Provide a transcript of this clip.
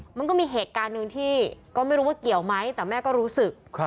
มันก็มีเหตุการณ์หนึ่งที่ก็ไม่รู้ว่าเกี่ยวไหมแต่แม่ก็รู้สึก